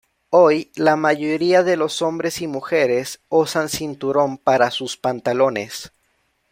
Hoy, la mayoría de los hombres y mujeres usan cinturón para sus pantalones.